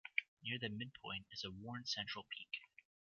Near the midpoint is a worn central peak.